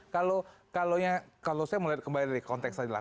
kalau saya melihat kembali dari konteks tadi lah